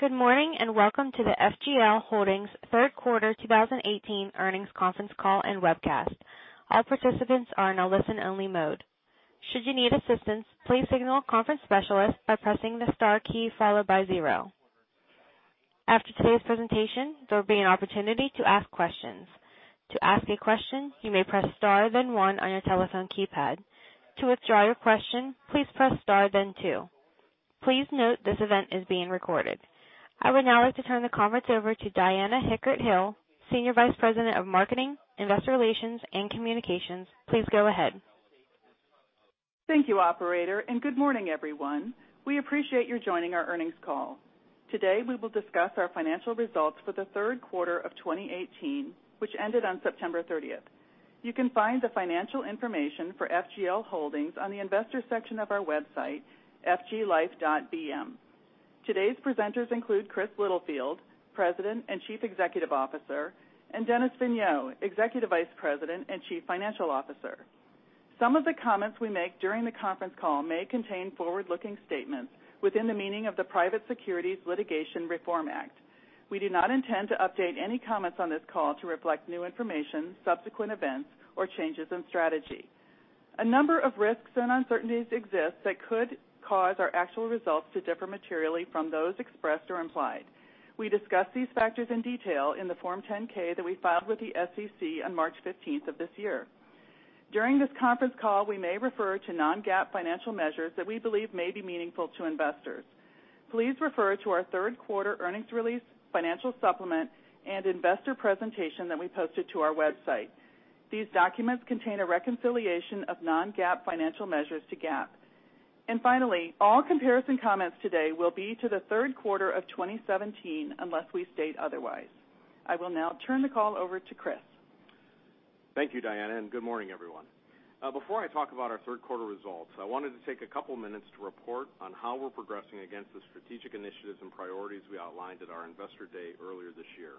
Good morning, and welcome to the FGL Holdings third quarter 2018 earnings conference call and webcast. All participants are in a listen-only mode. Should you need assistance, please signal a conference specialist by pressing the star key followed by 0. After today's presentation, there will be an opportunity to ask questions. To ask a question, you may press star, then 1 on your telephone keypad. To withdraw your question, please press star then 2. Please note this event is being recorded. I would now like to turn the conference over to Diana Hickert-Hill, Senior Vice President of Marketing, Investor Relations, and Communications. Please go ahead. Thank you, operator, good morning, everyone. We appreciate you joining our earnings call. Today, we will discuss our financial results for the third quarter of 2018, which ended on September 30th. You can find the financial information for FGL Holdings on the investor section of our website, fglife.bm. Today's presenters include Chris Blunt, President and Chief Executive Officer, and Dennis Vigneault, Executive Vice President and Chief Financial Officer. Some of the comments we make during the conference call may contain forward-looking statements within the meaning of the Private Securities Litigation Reform Act. We do not intend to update any comments on this call to reflect new information, subsequent events, or changes in strategy. A number of risks and uncertainties exist that could cause our actual results to differ materially from those expressed or implied. We discuss these factors in detail in the Form 10-K that we filed with the SEC on March 15th of this year. During this conference call, we may refer to non-GAAP financial measures that we believe may be meaningful to investors. Please refer to our third quarter earnings release, financial supplement, and investor presentation that we posted to our website. These documents contain a reconciliation of non-GAAP financial measures to GAAP. Finally, all comparison comments today will be to the third quarter of 2017 unless we state otherwise. I will now turn the call over to Chris. Thank you, Diana, good morning, everyone. Before I talk about our third quarter results, I wanted to take a couple minutes to report on how we're progressing against the strategic initiatives and priorities we outlined at our investor day earlier this year.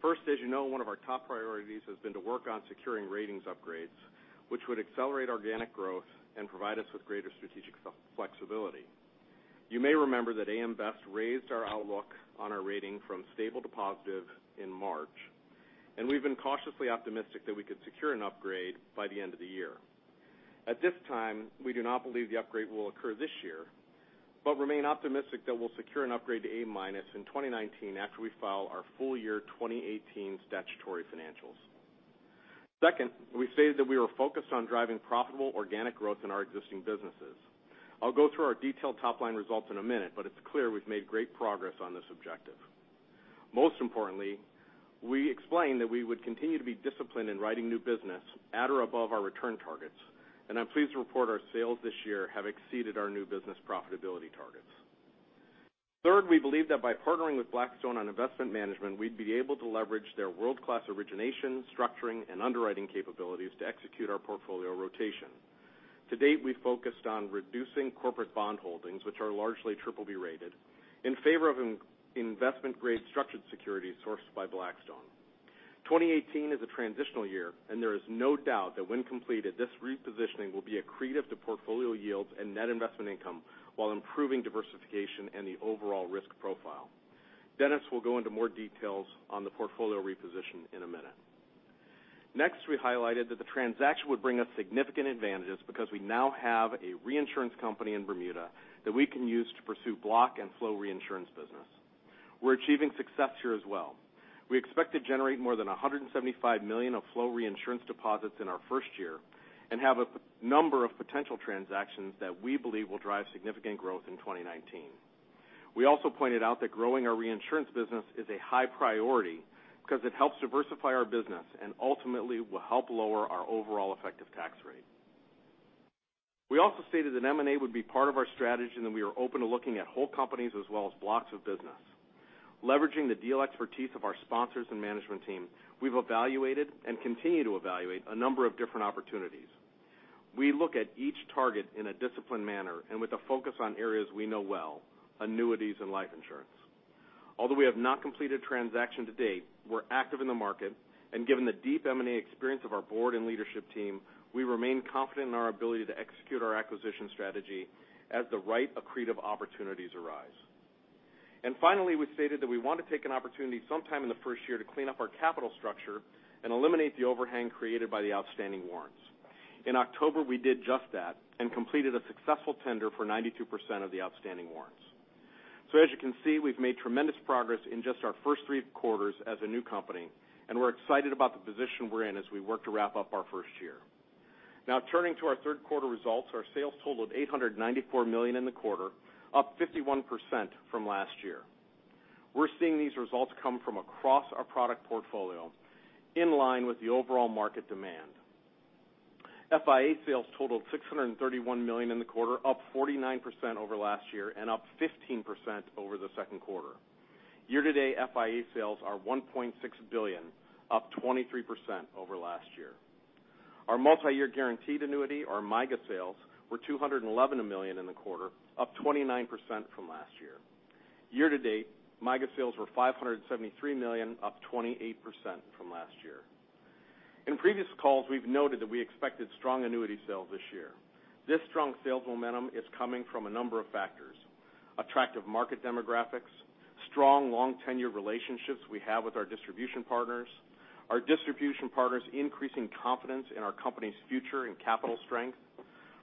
First, as you know, one of our top priorities has been to work on securing ratings upgrades, which would accelerate organic growth and provide us with greater strategic flexibility. You may remember that AM Best raised our outlook on our rating from stable to positive in March. We've been cautiously optimistic that we could secure an upgrade by the end of the year. At this time, we do not believe the upgrade will occur this year, remain optimistic that we'll secure an upgrade to A-minus in 2019 after we file our full year 2018 statutory financials. Second, we stated that we were focused on driving profitable organic growth in our existing businesses. I'll go through our detailed top-line results in a minute, but it's clear we've made great progress on this objective. Most importantly, we explained that we would continue to be disciplined in writing new business at or above our return targets, and I'm pleased to report our sales this year have exceeded our new business profitability targets. Third, we believe that by partnering with Blackstone on investment management, we'd be able to leverage their world-class origination, structuring, and underwriting capabilities to execute our portfolio rotation. To date, we've focused on reducing corporate bond holdings, which are largely BBB rated, in favor of investment-grade structured securities sourced by Blackstone. 2018 is a transitional year. There is no doubt that when completed, this repositioning will be accretive to portfolio yields and net investment income while improving diversification and the overall risk profile. Dennis will go into more details on the portfolio reposition in a minute. Next, we highlighted that the transaction would bring us significant advantages because we now have a reinsurance company in Bermuda that we can use to pursue block and flow reinsurance business. We're achieving success here as well. We expect to generate more than $175 million of flow reinsurance deposits in our first year and have a number of potential transactions that we believe will drive significant growth in 2019. We also pointed out that growing our reinsurance business is a high priority because it helps diversify our business and ultimately will help lower our overall effective tax rate. We also stated that M&A would be part of our strategy and that we are open to looking at whole companies as well as blocks of business. Leveraging the deal expertise of our sponsors and management team, we've evaluated and continue to evaluate a number of different opportunities. We look at each target in a disciplined manner and with a focus on areas we know well, annuities and life insurance. Although we have not completed a transaction to date, we're active in the market, and given the deep M&A experience of our board and leadership team, we remain confident in our ability to execute our acquisition strategy as the right accretive opportunities arise. Finally, we stated that we want to take an opportunity sometime in the first year to clean up our capital structure and eliminate the overhang created by the outstanding warrants. In October, we did just that and completed a successful tender for 92% of the outstanding warrants. As you can see, we've made tremendous progress in just our first three quarters as a new company, and we're excited about the position we're in as we work to wrap up our first year. Now turning to our third quarter results, our sales totaled $894 million in the quarter, up 51% from last year. We're seeing these results come from across our product portfolio, in line with the overall market demand. FIA sales totaled $631 million in the quarter, up 49% over last year and up 15% over the second quarter. Year-to-date, FIA sales are $1.6 billion, up 23% over last year. Our multi-year guaranteed annuity or MYGA sales were $211 million in the quarter, up 29% from last year. Year to date, MYGA sales were $573 million, up 28% from last year. In previous calls, we've noted that we expected strong annuity sales this year. This strong sales momentum is coming from a number of factors, attractive market demographics, strong long tenure relationships we have with our distribution partners, our distribution partners increasing confidence in our company's future and capital strength,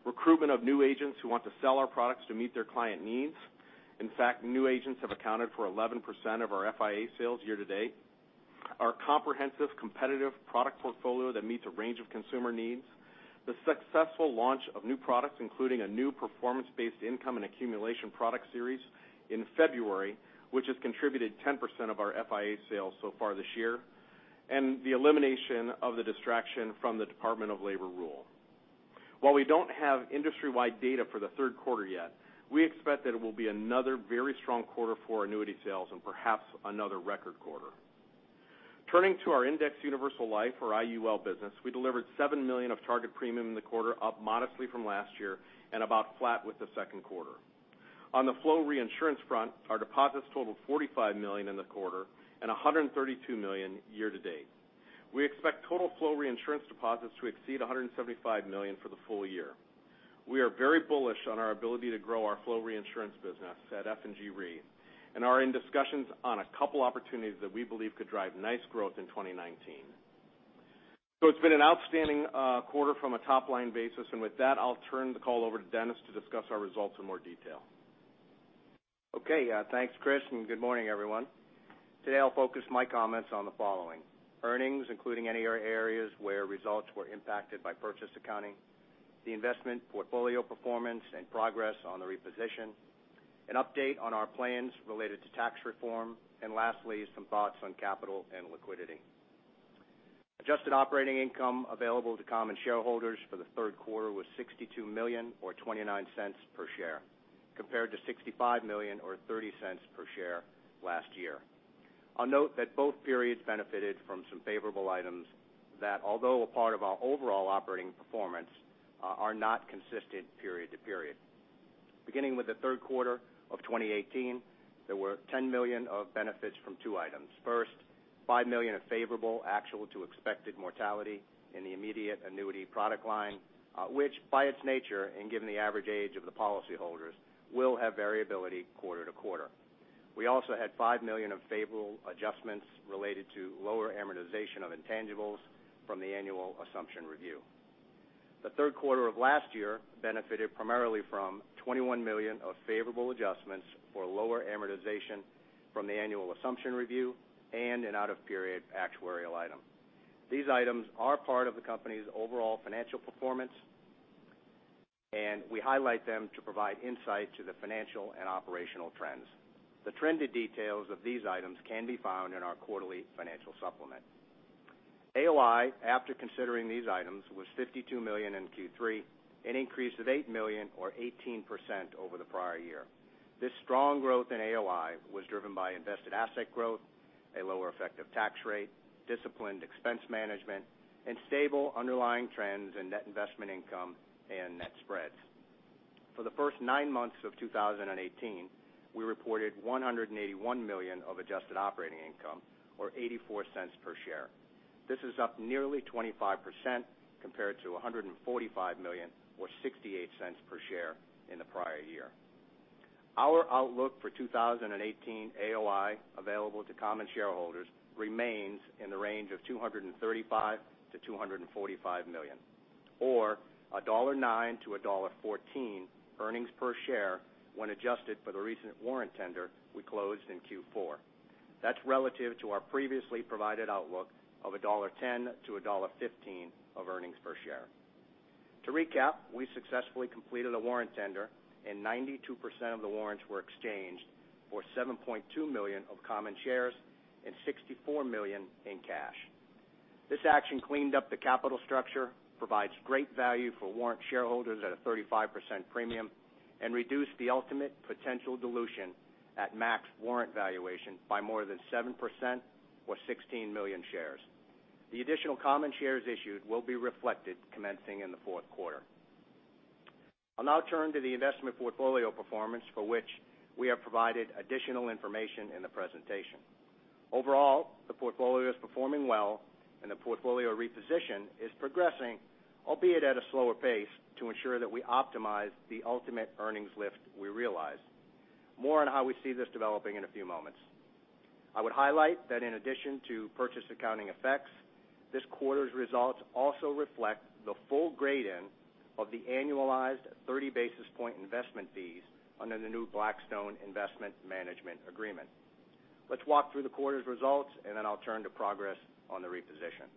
recruitment of new agents who want to sell our products to meet their client needs. In fact, new agents have accounted for 11% of our FIA sales year to date, our comprehensive competitive product portfolio that meets a range of consumer needs, the successful launch of new products, including a new performance-based income and accumulation product series in February, which has contributed 10% of our FIA sales so far this year, and the elimination of the distraction from the Department of Labor rule. While we don't have industry-wide data for the third quarter yet, we expect that it will be another very strong quarter for annuity sales and perhaps another record quarter. Turning to our Index Universal Life or IUL business, we delivered $7 million of target premium in the quarter, up modestly from last year and about flat with the second quarter. On the flow reinsurance front, our deposits totaled $45 million in the quarter and $132 million year to date. We expect total flow reinsurance deposits to exceed $175 million for the full year. We are very bullish on our ability to grow our flow reinsurance business at F&G Re, and are in discussions on a couple opportunities that we believe could drive nice growth in 2019. It's been an outstanding quarter from a top-line basis. With that, I'll turn the call over to Dennis to discuss our results in more detail. Okay. Thanks, Chris, and good morning, everyone. Today I'll focus my comments on the following. Earnings, including any areas where results were impacted by purchase accounting, the investment portfolio performance and progress on the reposition, an update on our plans related to tax reform, and lastly, some thoughts on capital and liquidity. Adjusted operating income available to common shareholders for the third quarter was $62 million or $0.29 per share, compared to $65 million or $0.30 per share last year. I'll note that both periods benefited from some favorable items that although a part of our overall operating performance, are not consistent period to period. Beginning with the third quarter of 2018, there were $10 million of benefits from two items. First, $5 million of favorable actual to expected mortality in the immediate annuity product line, which by its nature, and given the average age of the policy holders, will have variability quarter to quarter. We also had $5 million of favorable adjustments related to lower amortization of intangibles from the annual assumption review. The third quarter of last year benefited primarily from $21 million of favorable adjustments for lower amortization from the annual assumption review, and an out-of-period actuarial item. These items are part of the company's overall financial performance, and we highlight them to provide insight to the financial and operational trends. The trended details of these items can be found in our quarterly financial supplement. AOI, after considering these items, was $52 million in Q3, an increase of $8 million or 18% over the prior year. This strong growth in AOI was driven by invested asset growth, a lower effective tax rate, disciplined expense management, and stable underlying trends in net investment income and net spreads. For the first nine months of 2018, we reported $181 million of adjusted operating income or $0.84 per share. This is up nearly 25% compared to $145 million or $0.68 per share in the prior year. Our outlook for 2018 AOI available to common shareholders remains in the range of $235 million-$245 million, or $1.09-$1.14 earnings per share when adjusted for the recent warrant tender we closed in Q4. That's relative to our previously provided outlook of $1.10-$1.15 of earnings per share. To recap, we successfully completed a warrant tender, and 92% of the warrants were exchanged for 7.2 million of common shares and $64 million in cash. This action cleaned up the capital structure, provides great value for warrant shareholders at a 35% premium, and reduced the ultimate potential dilution at max warrant valuation by more than 7% or 16 million shares. The additional common shares issued will be reflected commencing in the fourth quarter. I'll now turn to the investment portfolio performance for which we have provided additional information in the presentation. Overall, the portfolio is performing well and the portfolio reposition is progressing, albeit at a slower pace, to ensure that we optimize the ultimate earnings lift we realize. More on how we see this developing in a few moments. I would highlight that in addition to purchase accounting effects, this quarter's results also reflect the full grade-in of the annualized 30-basis point investment fees under the new Blackstone Investment Management agreement. Let's walk through the quarter's results, and then I'll turn to progress on the reposition.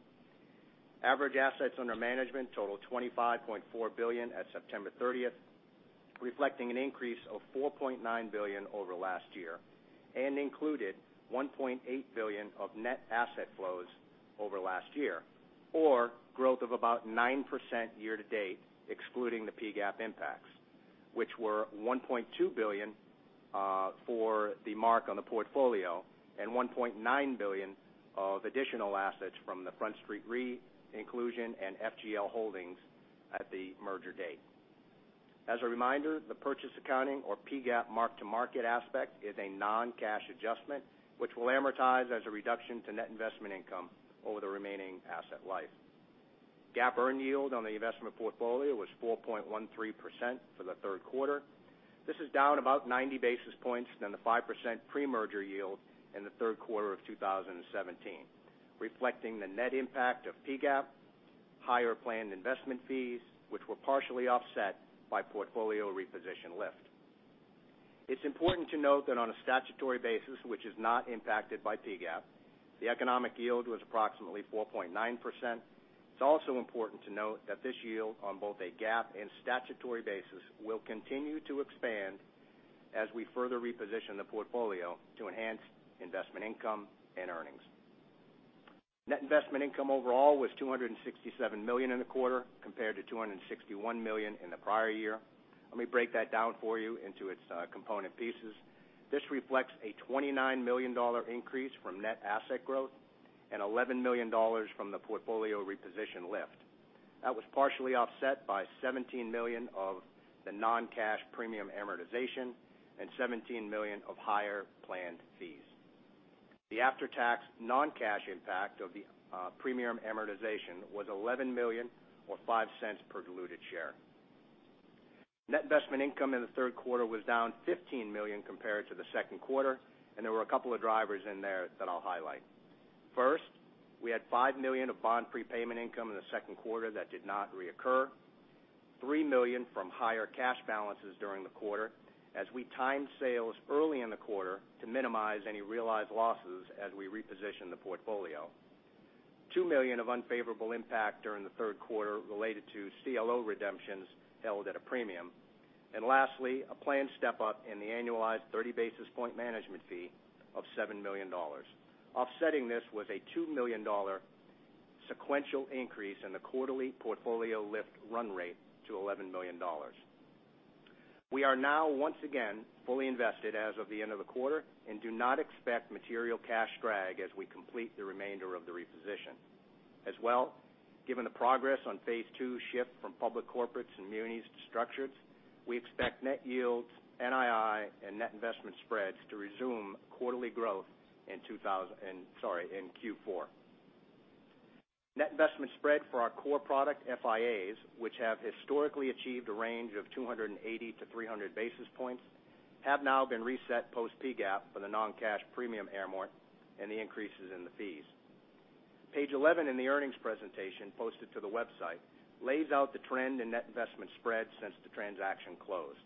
Average assets under management totaled $25.4 billion at September 30th, reflecting an increase of $4.9 billion over last year and included $1.8 billion of net asset flows over last year. Growth of about 9% year to date, excluding the PGAAP impacts, which were $1.2 billion for the mark on the portfolio and $1.9 billion of additional assets from the Front Street Re inclusion and FGL Holdings at the merger date. As a reminder, the purchase accounting or PGAAP mark-to-market aspect is a non-cash adjustment, which will amortize as a reduction to net investment income over the remaining asset life. GAAP earn yield on the investment portfolio was 4.13% for the third quarter. This is down about 90 basis points than the 5% pre-merger yield in the third quarter of 2017, reflecting the net impact of PGAAP, higher planned investment fees, which were partially offset by portfolio reposition lift. It's important to note that on a statutory basis, which is not impacted by PGAAP, the economic yield was approximately 4.9%. It's also important to note that this yield on both a GAAP and statutory basis will continue to expand as we further reposition the portfolio to enhance investment income and earnings. Net investment income overall was $267 million in the quarter compared to $261 million in the prior year. Let me break that down for you into its component pieces. This reflects a $29 million increase from net asset growth and $11 million from the portfolio reposition lift. That was partially offset by $17 million of the non-cash premium amortization and $17 million of higher planned fees. The after-tax non-cash impact of the premium amortization was $11 million or $0.05 per diluted share. Net investment income in the third quarter was down $15 million compared to the second quarter. There were a couple of drivers in there that I'll highlight. First, we had $5 million of bond prepayment income in the second quarter that did not reoccur, $3 million from higher cash balances during the quarter as we timed sales early in the quarter to minimize any realized losses as we reposition the portfolio. $2 million of unfavorable impact during the third quarter related to CLO redemptions held at a premium. Lastly, a planned step-up in the annualized 30 basis point management fee of $7 million. Offsetting this was a $2 million sequential increase in the quarterly portfolio lift run rate to $11 million. We are now once again fully invested as of the end of the quarter and do not expect material cash drag as we complete the remainder of the reposition. Given the progress on phase 2 shift from public corporates and munis to structures, we expect net yields, NII, and net investment spreads to resume quarterly growth in Q4. Net investment spread for our core product FIAs, which have historically achieved a range of 280 to 300 basis points, have now been reset post PGAAP for the non-cash premium amort and the increases in the fees. Page 11 in the earnings presentation posted to the website lays out the trend in net investment spread since the transaction closed.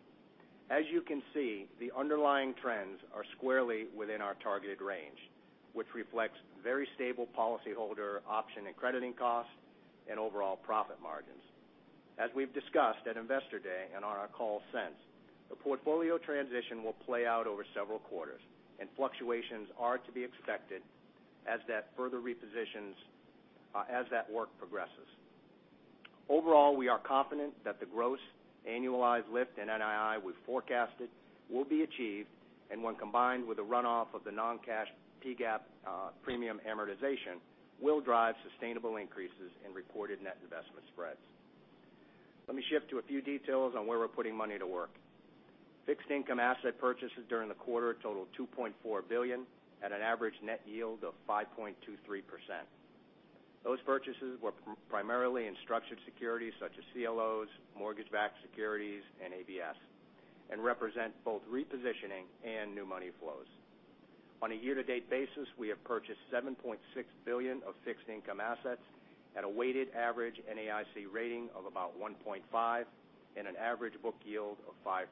You can see, the underlying trends are squarely within our targeted range, which reflects very stable policyholder option and crediting costs and overall profit margins. We've discussed at Investor Day and on our call since, the portfolio transition will play out over several quarters, and fluctuations are to be expected as that work progresses. Overall, we are confident that the gross annualized lift in NII we've forecasted will be achieved, and when combined with the runoff of the non-cash PGAAP premium amortization, will drive sustainable increases in reported net investment spreads. Let me shift to a few details on where we're putting money to work. Fixed income asset purchases during the quarter totaled $2.4 billion at an average net yield of 5.23%. Those purchases were primarily in structured securities such as CLOs, mortgage-backed securities, and ABS, and represent both repositioning and new money flows. On a year-to-date basis, we have purchased $7.6 billion of fixed income assets at a weighted average NAIC rating of about 1.5 and an average book yield of 5%.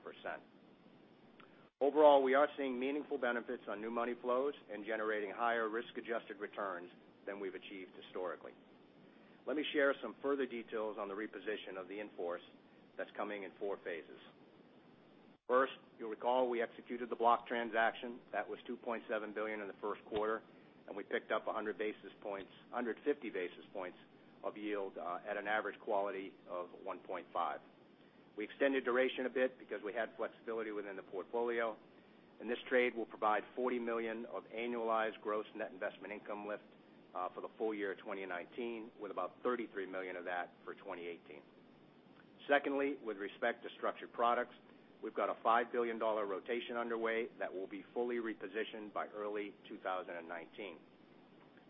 Overall, we are seeing meaningful benefits on new money flows and generating higher risk-adjusted returns than we've achieved historically. Let me share some further details on the reposition of the in-force that's coming in four phases. First, you'll recall we executed the block transaction. That was $2.7 billion in the first quarter. We picked up 150 basis points of yield at an average quality of 1.5. We extended duration a bit because we had flexibility within the portfolio. This trade will provide $40 million of annualized gross net investment income lift for the full year 2019, with about $33 million of that for 2018. Secondly, with respect to structured products, we've got a $5 billion rotation underway that will be fully repositioned by early 2019.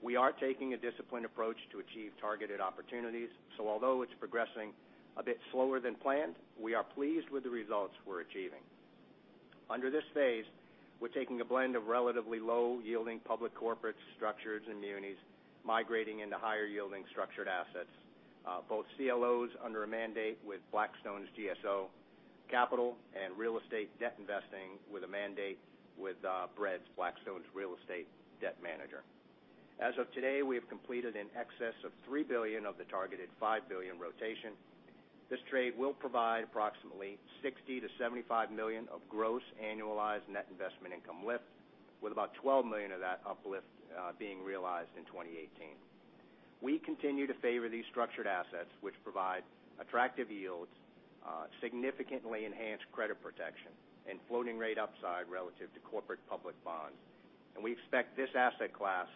We are taking a disciplined approach to achieve targeted opportunities. Although it's progressing a bit slower than planned, we are pleased with the results we're achieving. Under this phase, we're taking a blend of relatively low-yielding public corporate structures and munis migrating into higher-yielding structured assets, both CLOs under a mandate with Blackstone's GSO, capital and real estate debt investing with a mandate with BRED, Blackstone's Real Estate Debt Manager. As of today, we have completed in excess of $3 billion of the targeted $5 billion rotation. This trade will provide approximately $60 million-$75 million of gross annualized net investment income lift, with about $12 million of that uplift being realized in 2018. We continue to favor these structured assets, which provide attractive yields, significantly enhanced credit protection, and floating rate upside relative to corporate public bonds. We expect this asset class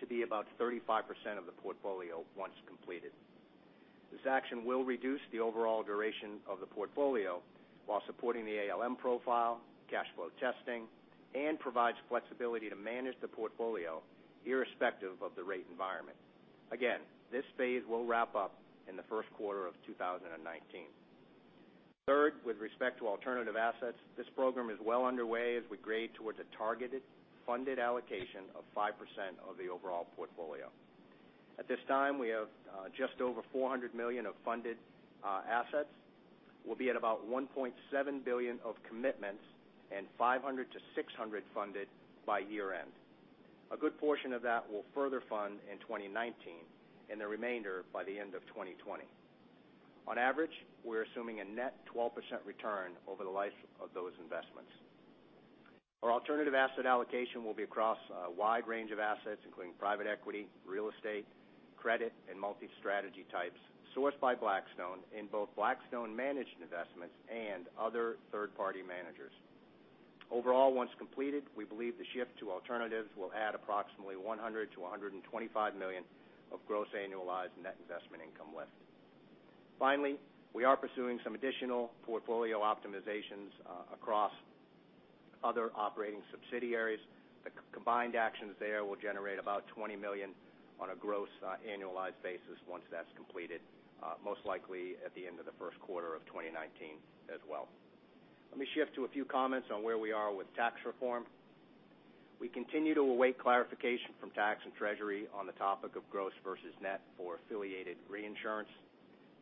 to be about 35% of the portfolio once completed. This action will reduce the overall duration of the portfolio while supporting the ALM profile, cash flow testing, and provides flexibility to manage the portfolio irrespective of the rate environment. Again, this phase will wrap up in the first quarter of 2019. Third, with respect to alternative assets, this program is well underway as we grade towards a targeted funded allocation of 5% of the overall portfolio. At this time, we have just over $400 million of funded assets. We'll be at about $1.7 billion of commitments and $500 million-$600 million funded by year-end. A good portion of that will further fund in 2019 and the remainder by the end of 2020. On average, we're assuming a net 12% return over the life of those investments. Our alternative asset allocation will be across a wide range of assets, including private equity, real estate, credit, and multi-strategy types sourced by Blackstone in both Blackstone managed investments and other third-party managers. Overall, once completed, we believe the shift to alternatives will add approximately $100 million-$125 million of gross annualized net investment income lift. Finally, we are pursuing some additional portfolio optimizations across other operating subsidiaries. The combined actions there will generate about $20 million on a gross annualized basis once that's completed, most likely at the end of the first quarter of 2019 as well. Let me shift to a few comments on where we are with tax reform. We continue to await clarification from Tax and Treasury on the topic of gross versus net for affiliated reinsurance.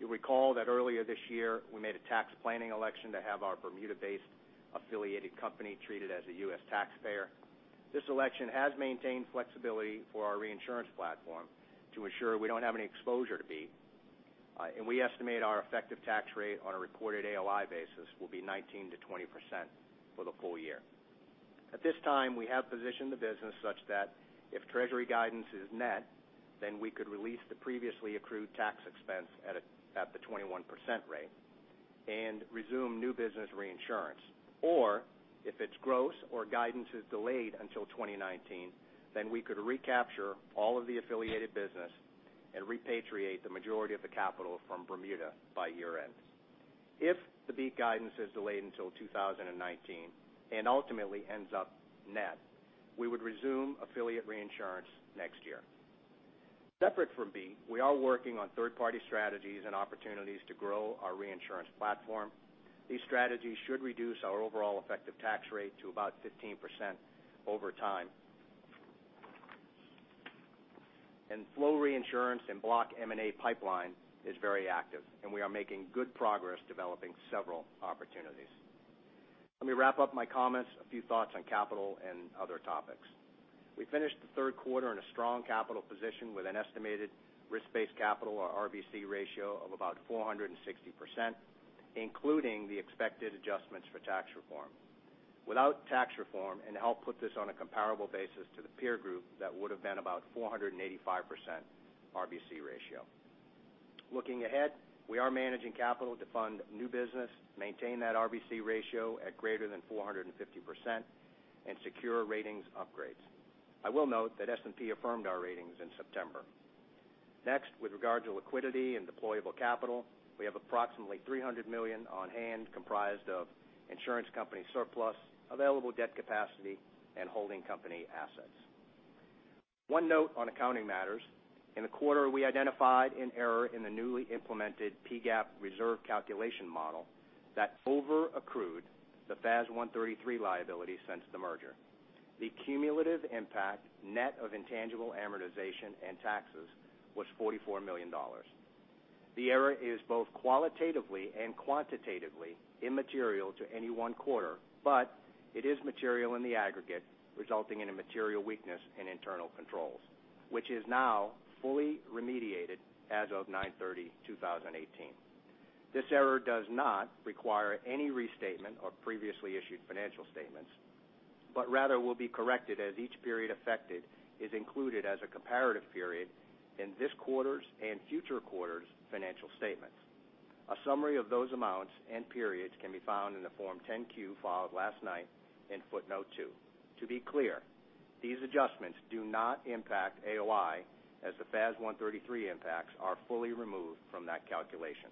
You'll recall that earlier this year, we made a tax planning election to have our Bermuda-based affiliated company treated as a U.S. taxpayer. This election has maintained flexibility for our reinsurance platform to ensure we don't have any exposure to BEAT. We estimate our effective tax rate on a reported AOI basis will be 19%-20% for the full year. At this time, we have positioned the business such that if Treasury guidance is met, we could release the previously accrued tax expense at the 21% rate and resume new business reinsurance. If it's gross or guidance is delayed until 2019, we could recapture all of the affiliated business and repatriate the majority of the capital from Bermuda by year-end. If the BEAT guidance is delayed until 2019 and ultimately ends up net, we would resume affiliate reinsurance next year. Separate from BEAT, we are working on third-party strategies and opportunities to grow our reinsurance platform. These strategies should reduce our overall effective tax rate to about 15% over time. Flow reinsurance and block M&A pipeline is very active, and we are making good progress developing several opportunities. Let me wrap up my comments, a few thoughts on capital and other topics. We finished the third quarter in a strong capital position with an estimated risk-based capital or RBC ratio of about 460%, including the expected adjustments for tax reform. Without tax reform, to help put this on a comparable basis to the peer group, that would've been about 485% RBC ratio. Looking ahead, we are managing capital to fund new business, maintain that RBC ratio at greater than 450%, and secure ratings upgrades. I will note that S&P affirmed our ratings in September. With regard to liquidity and deployable capital, we have approximately $300 million on hand comprised of insurance company surplus, available debt capacity, and holding company assets. One note on accounting matters. In the quarter, we identified an error in the newly implemented PGAAP reserve calculation model that over-accrued the FAS 133 liability since the merger. The cumulative impact, net of intangible amortization and taxes, was $44 million. The error is both qualitatively and quantitatively immaterial to any one quarter, but it is material in the aggregate, resulting in a material weakness in internal controls, which is now fully remediated as of 9/30/2018. This error does not require any restatement of previously issued financial statements, but rather will be corrected as each period affected is included as a comparative period in this quarter's and future quarters' financial statements. A summary of those amounts and periods can be found in the Form 10-Q filed last night in footnote two. To be clear, these adjustments do not impact AOI as the FAS 133 impacts are fully removed from that calculation.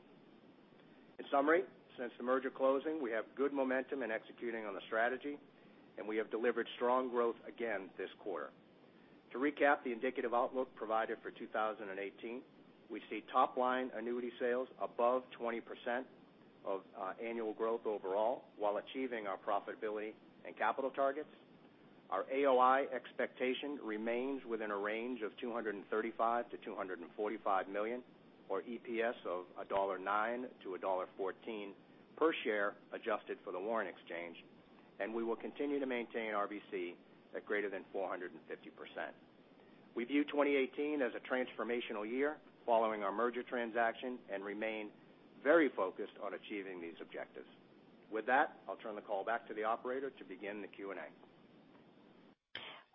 Since the merger closing, we have good momentum in executing on the strategy, and we have delivered strong growth again this quarter. To recap the indicative outlook provided for 2018, we see top line annuity sales above 20% of annual growth overall while achieving our profitability and capital targets. Our AOI expectation remains within a range of $235 million-$245 million or EPS of $1.09-$1.14 per share adjusted for the warrant exchange. We will continue to maintain RBC at greater than 450%. We view 2018 as a transformational year following our merger transaction and remain very focused on achieving these objectives. With that, I'll turn the call back to the operator to begin the Q&A.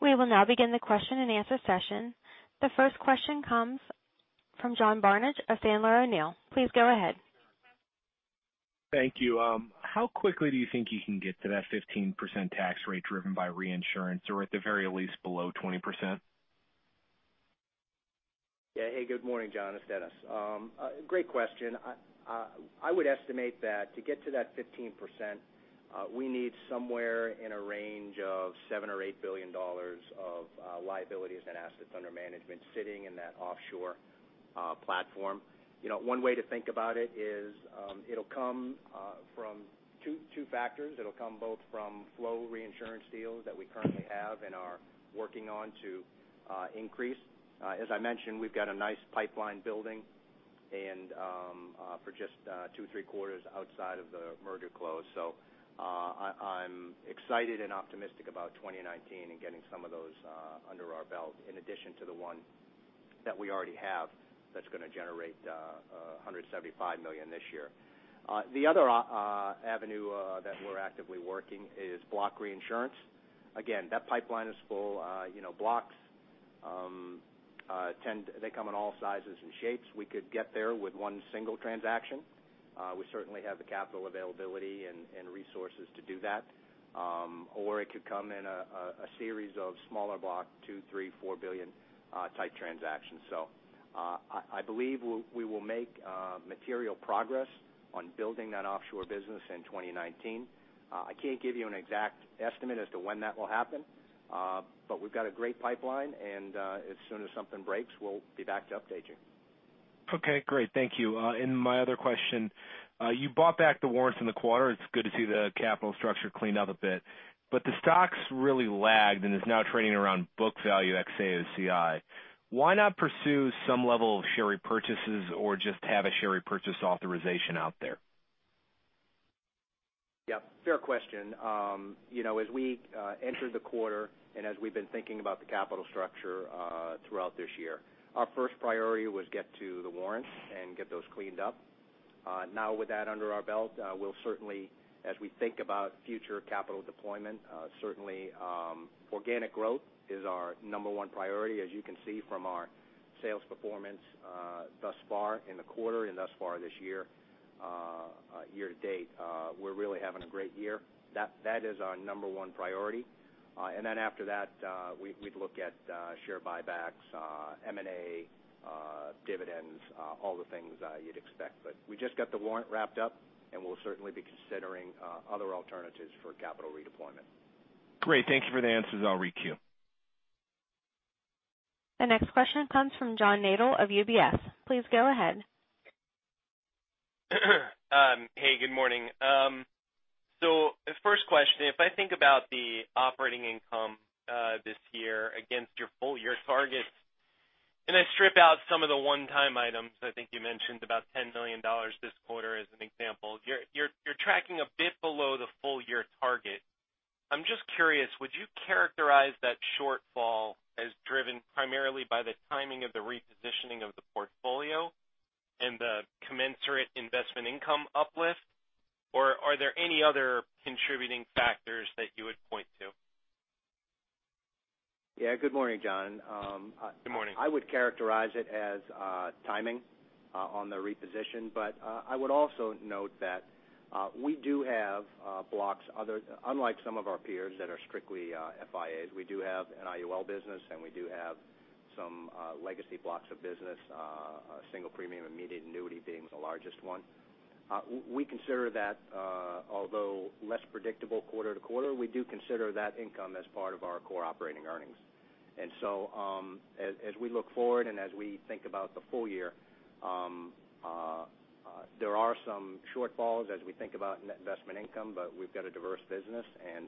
We will now begin the question and answer session. The first question comes from John Barnidge of Sandler O'Neill +. Please go ahead. Thank you. How quickly do you think you can get to that 15% tax rate driven by reinsurance, or at the very least below 20%? Hey, good morning, John. It's Dennis. Great question. I would estimate that to get to that 15%, we need somewhere in a range of $7 billion or $8 billion of liabilities and assets under management sitting in that offshore platform. One way to think about it is it'll come from two factors. It'll come both from flow reinsurance deals that we currently have and are working on to increase. As I mentioned, we've got a nice pipeline building, and for just two, three quarters outside of the merger close. I'm excited and optimistic about 2019 and getting some of those under our belt in addition to the one that we already have that's going to generate $175 million this year. The other avenue that we're actively working is block reinsurance. Again, that pipeline is full. Blocks, they come in all sizes and shapes. We could get there with one single transaction. We certainly have the capital availability and resources to do that. It could come in a series of smaller block, $2 billion, $3 billion, $4 billion type transactions. I believe we will make material progress on building that offshore business in 2019. I can't give you an exact estimate as to when that will happen. We've got a great pipeline, and as soon as something breaks, we'll be back to update you. Okay, great. Thank you. My other question, you bought back the warrants in the quarter. It's good to see the capital structure cleaned up a bit. The stock's really lagged and is now trading around book value ex AOCI. Why not pursue some level of share repurchases or just have a share repurchase authorization out there? Yeah, fair question. As we entered the quarter and as we've been thinking about the capital structure throughout this year, our first priority was get to the warrants and get those cleaned up. Now with that under our belt, we'll certainly, as we think about future capital deployment, certainly organic growth is our number 1 priority, as you can see from our sales performance thus far in the quarter and thus far this year to date. We're really having a great year. That is our number 1 priority. Then after that, we'd look at share buybacks, M&A, dividends, all the things you'd expect. We just got the warrant wrapped up, and we'll certainly be considering other alternatives for capital redeployment. Great. Thank you for the answers. I'll requeue. The next question comes from John Nadel of UBS. Please go ahead. Hey, good morning. The first question, if I think about the operating income this year against your full-year targets, and I strip out some of the one-time items, I think you mentioned about $10 million this quarter as an example, you're tracking a bit below the full-year target. I'm just curious, would you characterize that shortfall as driven primarily by the timing of the repositioning of the portfolio and the commensurate investment income uplift, or are there any other contributing factors that you would point to? Yeah. Good morning, John. Good morning. I would characterize it as timing on the reposition, I would also note that we do have blocks, unlike some of our peers that are strictly FIAs, we do have an IUL business, and we do have some legacy blocks of business, single premium immediate annuity being the largest one. Although less predictable quarter to quarter, we do consider that income as part of our core operating earnings. As we look forward and as we think about the full year, there are some shortfalls as we think about net investment income, we've got a diverse business, and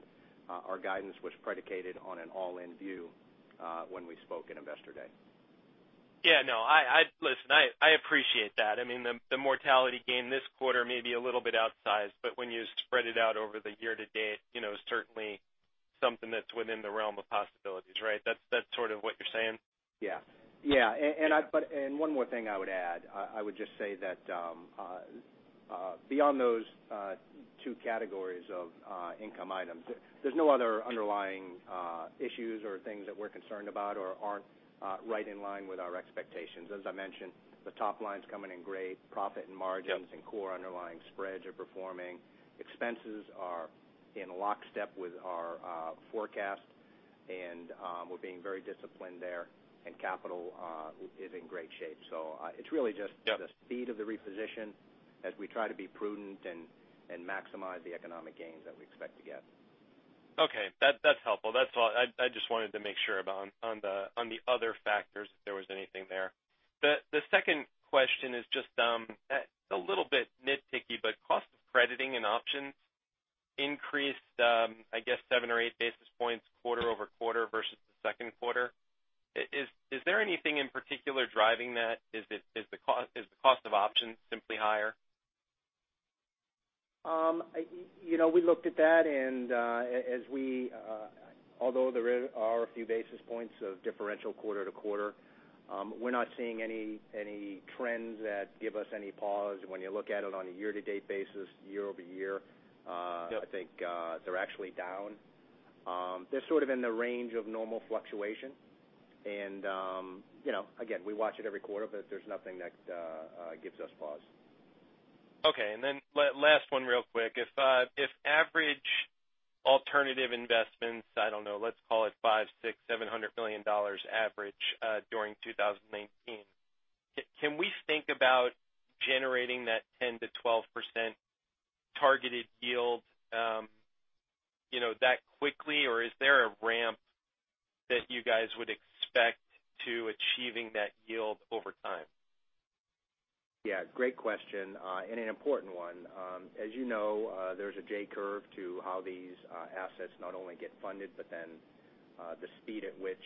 our guidance was predicated on an all-in view when we spoke in Investor Day. Yeah, no. Listen, I appreciate that. I mean, the mortality gain this quarter may be a little bit outsized, when you spread it out over the year to date, it's certainly something that's within the realm of possibilities, right? That's sort of what you're saying? Yeah. One more thing I would add, I would just say that beyond those two categories of income items, there's no other underlying issues or things that we're concerned about or aren't right in line with our expectations. As I mentioned, the top line's coming in great. Profit and margins. Yep Core underlying spreads are performing. Expenses are in lockstep with our forecast, we're being very disciplined there, capital is in great shape. It's really just. Yep the speed of the reposition as we try to be prudent and maximize the economic gains that we expect to get. Okay. That's helpful. I just wanted to make sure about on the other factors, if there was anything there. The second question is just a little bit nitpicky, but cost of crediting and options increased, I guess seven or eight basis points quarter-over-quarter versus the second quarter. Is there anything in particular driving that? Is the cost of options simply higher? Although there are a few basis points of differential quarter-to-quarter, we're not seeing any trends that give us any pause when you look at it on a year-to-date basis, year-over-year. Yep. I think they're actually down. They're sort of in the range of normal fluctuation. Again, we watch it every quarter, but there's nothing that gives us pause. Okay. Last one real quick. If average alternative investments, I don't know, let's call it $500, $600, $700 million average during 2019, can we think about generating that 10%-12% targeted yield that quickly, or is there a ramp that you guys would expect to achieving that yield over time? Yeah, great question, and an important one. As you know, there's a J curve to how these assets not only get funded, but then the speed at which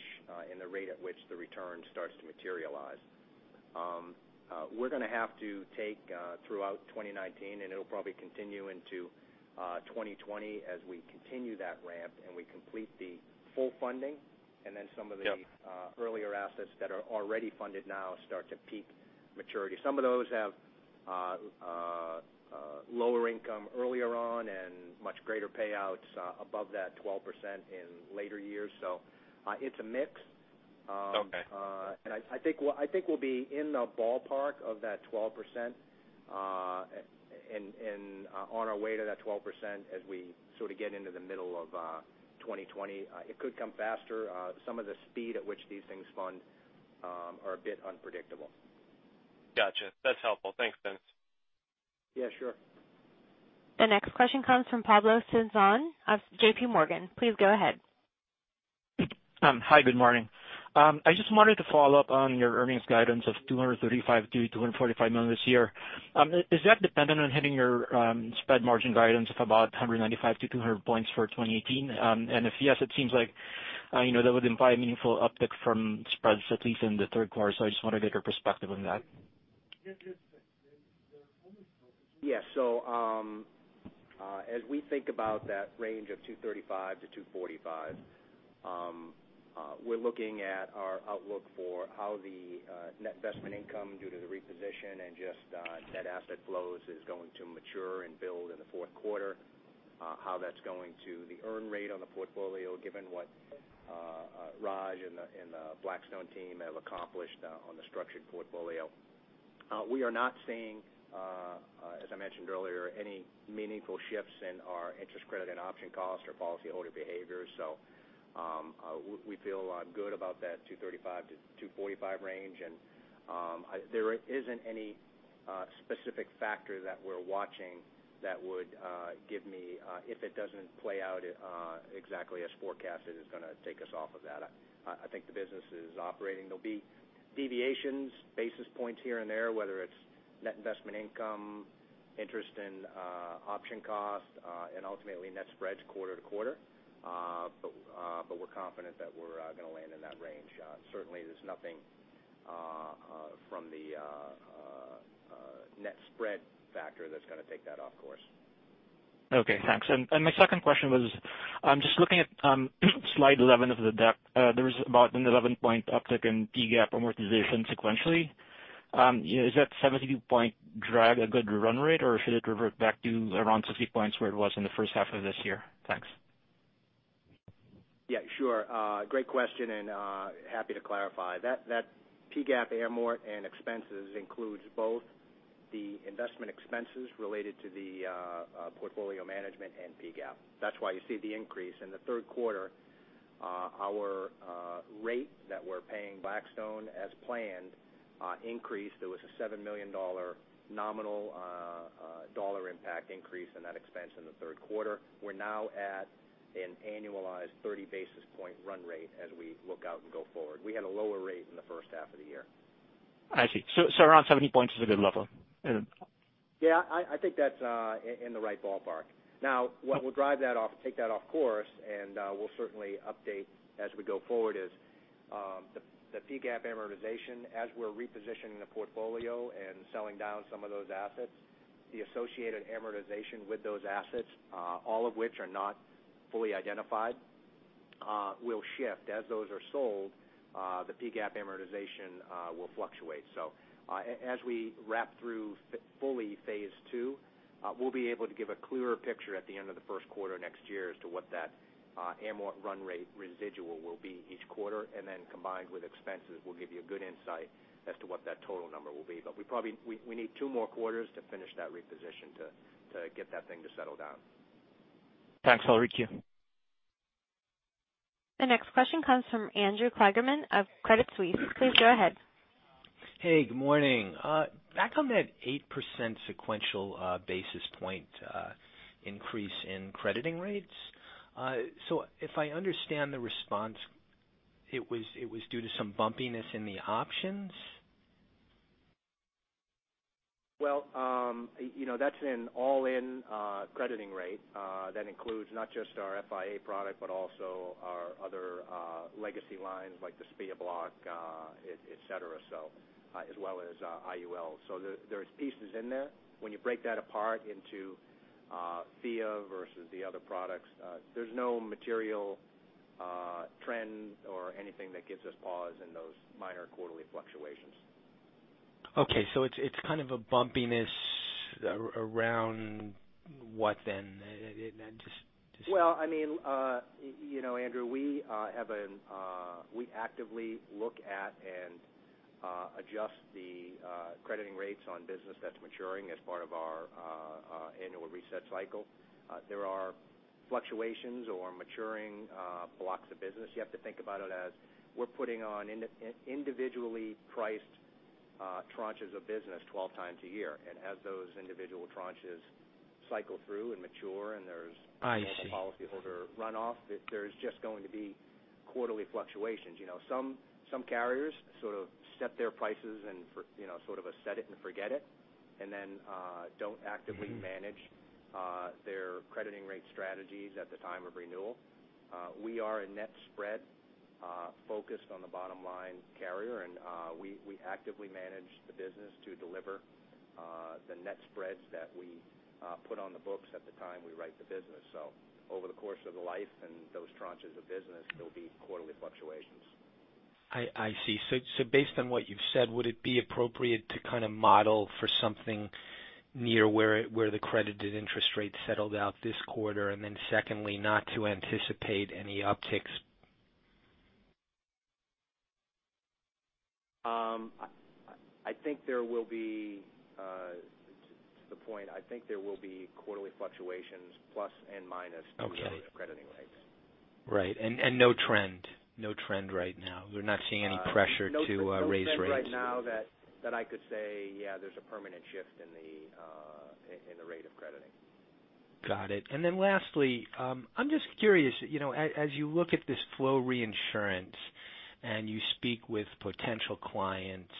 and the rate at which the return starts to materialize. We're going to have to take throughout 2019, and it'll probably continue into 2020 as we continue that ramp and we complete the full funding. Yep. Some of the earlier assets that are already funded now start to peak maturity. Some of those have lower income earlier on and much greater payouts above that 12% in later years. It's a mix. Okay. I think we'll be in the ballpark of that 12% and on our way to that 12% as we sort of get into the middle of 2020. It could come faster. Some of the speed at which these things fund are a bit unpredictable. Got you. That's helpful. Thanks, Dennis. Yeah, sure. The next question comes from Pablo Singzon of J.P. Morgan. Please go ahead. Hi, good morning. I just wanted to follow up on your earnings guidance of $235 million-$245 million this year. Is that dependent on hitting your spread margin guidance of about 195-200 points for 2018? If yes, it seems like that would imply a meaningful uptick from spreads, at least in the third quarter. I just wanted to get your perspective on that. Yeah. As we think about that range of 235-245, we're looking at our outlook for how the net investment income due to the reposition and just net asset flows is going to mature and build in the fourth quarter, how that's going to the earn rate on the portfolio, given what Raj and the Blackstone team have accomplished on the structured portfolio. We are not seeing, as I mentioned earlier, any meaningful shifts in our interest credit and option cost or policyholder behavior. We feel good about that 235-245 range. There isn't any specific factor that we're watching that would give me, if it doesn't play out exactly as forecasted, is going to take us off of that. I think the business is operating. There'll be deviations, basis points here and there, whether it's net investment income, interest in option cost, and ultimately net spreads quarter to quarter. We're confident that we're going to land in that range. Certainly, there's nothing from the net spread factor that's going to take that off course. Okay, thanks. My second question was, just looking at slide 11 of the deck, there was about an 11-point uptick in PGAAP amortization sequentially. Is that 72-point drag a good run rate, or should it revert back to around 50 points where it was in the first half of this year? Thanks. Yeah, sure. Great question, happy to clarify. That PGAAP amort and expenses includes both the investment expenses related to the portfolio management and PGAAP. That's why you see the increase. In the third quarter, our rate that we're paying Blackstone as planned increased. There was a $7 million nominal dollar impact increase in that expense in the third quarter. We're now at an annualized 30-basis point run rate as we look out and go forward. We had a lower rate in the first half of the year. I see. Around 70 points is a good level? Yeah, I think that's in the right ballpark. What will drive that off, take that off course, and we'll certainly update as we go forward is the PGAAP amortization as we're repositioning the portfolio and selling down some of those assets. The associated amortization with those assets, all of which are not fully identified, will shift. As those are sold, the PGAAP amortization will fluctuate. As we wrap through fully phase 2, we'll be able to give a clearer picture at the end of the first quarter next year as to what that amort run rate residual will be each quarter. Then combined with expenses, we'll give you a good insight as to what that total number will be. We need two more quarters to finish that reposition to get that thing to settle down. Thanks. I'll requeue. The next question comes from Andrew Kligerman of Credit Suisse. Please go ahead. Good morning. Back on that 8% sequential basis point increase in crediting rates. If I understand the response, it was due to some bumpiness in the options? Well, that's an all-in crediting rate that includes not just our FIA product, but also our other legacy lines like the SPIA block, et cetera, as well as IUL. There's pieces in there. When you break that apart into FIA versus the other products, there's no material trend or anything that gives us pause in those minor quarterly fluctuations. Okay, it's kind of a bumpiness around what then? Well, Andrew, we actively look at and adjust the crediting rates on business that's maturing as part of our annual reset cycle. There are fluctuations or maturing blocks of business. You have to think about it as we're putting on individually priced tranches of business 12 times a year. As those individual tranches cycle through and mature. I see. normal policyholder runoff, there's just going to be quarterly fluctuations. Some carriers sort of set their prices and sort of a set it and forget it, and then don't actively manage their crediting rate strategies at the time of renewal. We are a net spread focused on the bottom line carrier, and we actively manage the business to deliver the net spreads that we put on the books at the time we write the business. Over the course of the life and those tranches of business, there'll be quarterly fluctuations. I see. Based on what you've said, would it be appropriate to kind of model for something near where the credited interest rate settled out this quarter, and then secondly, not to anticipate any upticks? I think there will be, to the point, I think there will be quarterly fluctuations, plus and minus. Okay to the rate of crediting rates. Right. No trend right now? You're not seeing any pressure to raise rates? No trend right now that I could say, yeah, there's a permanent shift in the rate of crediting. Got it. Lastly, I'm just curious, as you look at this flow reinsurance and you speak with potential clients,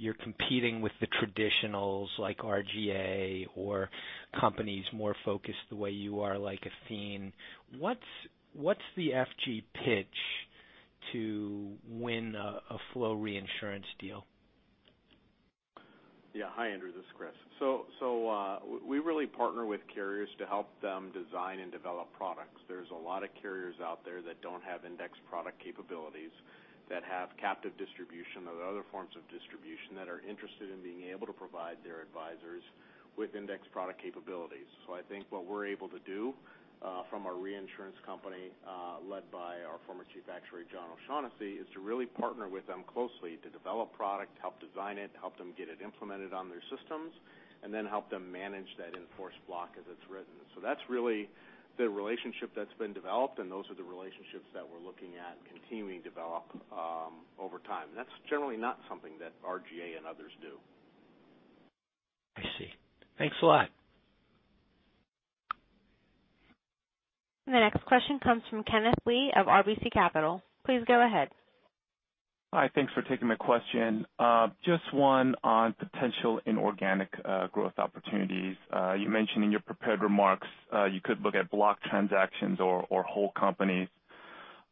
you're competing with the traditionals like RGA or companies more focused the way you are, like Athene. What's the F&G pitch to win a flow reinsurance deal? Yeah. Hi, Andrew. This is Chris. We really partner with carriers to help them design and develop products. There's a lot of carriers out there that don't have index product capabilities that have captive distribution or other forms of distribution that are interested in being able to provide their advisors with index product capabilities. I think what we're able to do from a reinsurance company led by our former chief actuary, John O'Shaughnessy, is to really partner with them closely to develop product, help design it, help them get it implemented on their systems, and then help them manage that in-force block as it's written. That's really the relationship that's been developed, and those are the relationships that we're looking at continuing to develop over time. That's generally not something that RGA and others do. I see. Thanks a lot. The next question comes from Kenneth Lee of RBC Capital. Please go ahead. Hi. Thanks for taking my question. Just one on potential inorganic growth opportunities. You mentioned in your prepared remarks you could look at block transactions or whole companies.